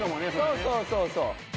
そうそうそうそう。